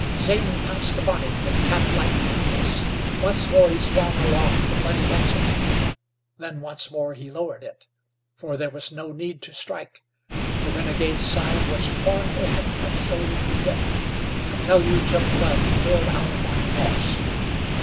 Zane pounced upon it with catlike quickness. Once more he swung aloft the bloody hatchet; then once more he lowered it, for there was no need to strike. The renegade's side was torn open from shoulder to hip. A deluge of blood poured out upon the moss.